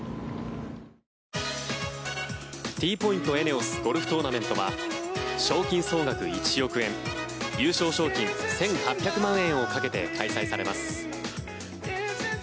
Ｔポイント×ＥＮＥＯＳゴルフトーナメントは賞金総額１億円優勝賞金１８００万円をかけて開催されます。